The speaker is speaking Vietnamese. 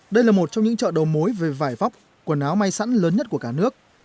đây là một trong những chợ đầu mối về vải vóc quần áo may sẵn lớn nhất của cả nước